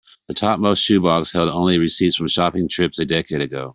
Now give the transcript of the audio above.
The topmost shoe box held only receipts from shopping trips a decade ago.